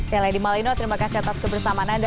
saya lady malino terima kasih atas kebersamaan anda